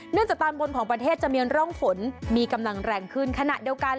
จากตอนบนของประเทศจะมีร่องฝนมีกำลังแรงขึ้นขณะเดียวกัน